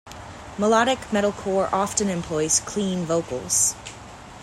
Melodic metalcore often employs clean vocals.